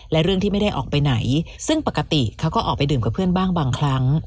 และเรื่องที่ไม่ได้ออกไปไหนซึ่งปกติเขาก็ออกไปดื่มกับเพื่อนบ้างบางครั้ง